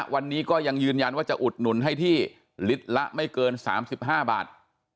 วันนี้ก็ยังยืนยันว่าจะอุดหนุนให้ที่ลิตรละไม่เกิน๓๕บาท